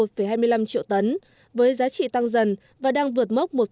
một hai mươi năm triệu tấn với giá trị tăng dần và đang vượt mốc một bảy tỷ usd